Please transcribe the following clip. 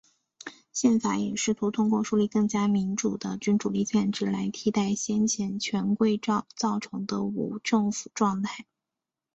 宪法也试图通过树立更加民主的君主立宪制来替代先前权贵造成的无政府状态。